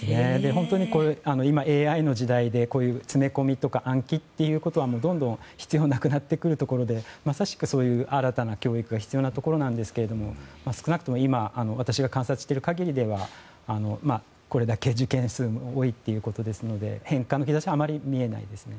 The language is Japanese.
本当に今はＡＩの時代で詰め込みとか暗記はどんどん必要なくなってくるところでまさしく新たな教育が必要なところなんですが少なくとも、今私が観察している限りではこれだけ受験数も多いということで変化の兆しはあまり見えないですね。